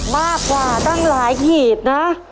มากกว่าตั้งหลายขีดนะ